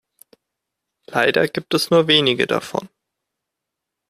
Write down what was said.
Leider gibt es nur wenige davon.